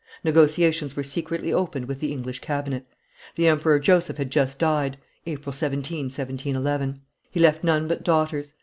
Negotiations were secretly opened with the English cabinet. The Emperor Joseph had just died (April 17, 1711). He left none but daughters.